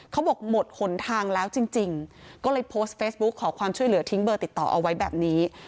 เขาบอกหมดหนทางแล้วจริงก็เลยโพสต์เฟซบุ๊คขอความช่วยเหลือทิ้งเบอร์ติดต่อเอาไว้แบบนี้